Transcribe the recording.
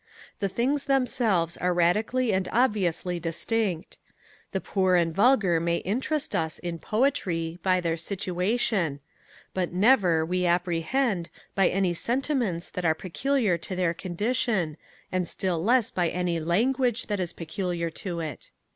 The things themselves are radically and obviously distinct.... The poor and vulgar may interest us, in poetry, by their situation; but never, we apprehend, by any sentiments that are peculiar to their condition, and still less by any language that is peculiar to it.